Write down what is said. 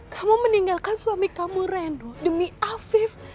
kamu meninggalkan suami kamu randu demi afif